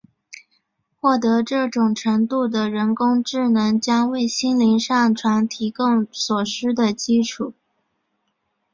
获得这种程度的人工智能将为心灵上传提供所需的基础。